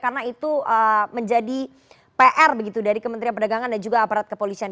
karena itu menjadi pr dari kementerian perdagangan dan juga aparat kepolisian